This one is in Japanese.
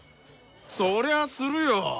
そりゃあするよ。